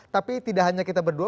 tapi tidak hanya kita berdua